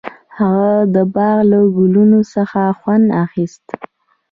هغه د باغ له ګلونو څخه خوند اخیست.